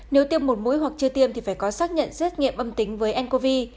nếu tiêm một mũi hoặc chưa tiêm thì phải có xác nhận xét nghiệm âm tính với ncov